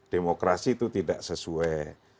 demokrasi itu tidak sesuai